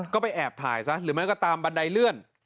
ก็ไปแอบถ่ายซะหรือไม่ก็ตามบันไดเลื่อน